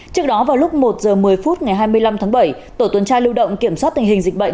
trước đó vào lúc một h một mươi phút ngày hai mươi năm tháng bảy tổ tuần tra lưu động kiểm soát tình hình dịch bệnh